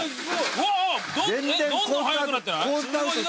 どんどん速くなってない？コース